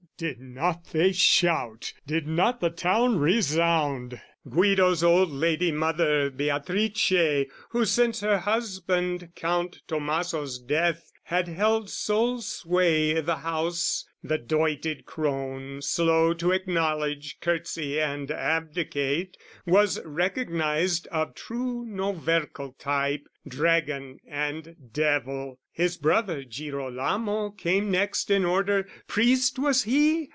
Did not they shout, did not the town resound! Guido's old lady mother Beatrice, Who since her husband, Count Tommaso's death, Had held sole sway i' the house, the doited crone Slow to acknowledge, curtsey and abdicate, Was recognised of true novercal type, Dragon and devil. His brother Girolamo Came next in order: priest was he?